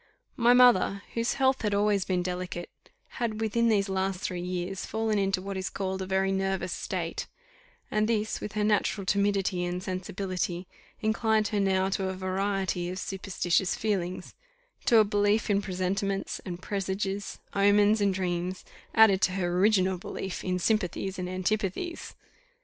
My mother, whose health had always been delicate, had within these three last years fallen into what is called a very nervous state, and this, with her natural timidity and sensibility, inclined her now to a variety of superstitious feelings to a belief in presentiments and presages, omens and dreams, added to her original belief in sympathies and antipathies.